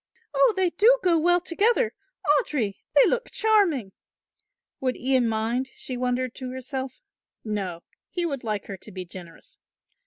"Oh, they do go well together! Audry, they look charming!" Would Ian mind, she wondered to herself; no, he would like her to be generous.